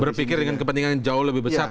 berpikir dengan kepentingan yang jauh lebih besar